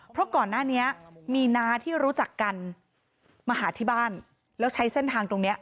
เพราะก่อนหน้านี้มีน้าที่รู้จักกันมาหาที่บ้านแล้วใช้เส้นทางตรงนี้